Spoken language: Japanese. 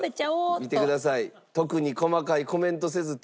さあ見てください。